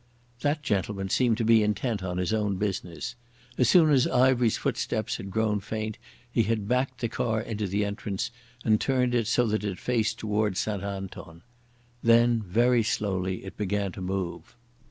That gentleman seemed to be intent on his own business. As soon as Ivery's footsteps had grown faint, he had backed the car into the entrance, and turned it so that it faced towards St Anton. Then very slowly it began to move.